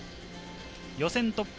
予選トップ。